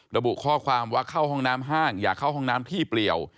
ระบุข้อความว่าเข้าห้องน้ำห้างอย่าเข้าห้องน้ำที่เปลี่ยว